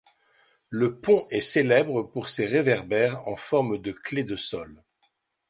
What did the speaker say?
Le pont est célèbre pour ses réverbères en forme de clé de sol.